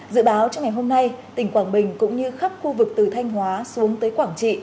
dự báo trong ngày hôm nay tỉnh quảng bình cũng như khắp khu vực từ thanh hóa xuống tới quảng trị